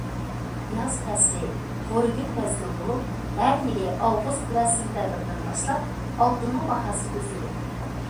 ياز پەسلى غورىگىل مەزگىل بولۇپ، ھەر يىلى ئاۋغۇست ۋە سېنتەبىردىن باشلاپ ئالتۇننىڭ باھاسى ئۆسىدۇ.